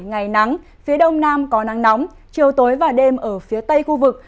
ngày nắng phía đông nam có nắng nóng chiều tối và đêm ở phía tây khu vực